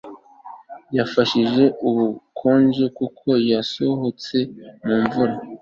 yafashe ubukonje kuko yasohotse mu mvura